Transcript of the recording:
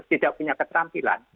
tidak punya keterampilan